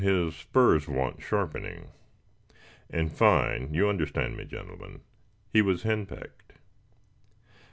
his spurs want sharpening." In fine you understand me, gentlemen he was hen pecked.